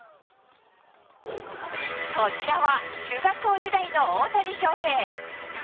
こちらは中学校時代の大谷翔平。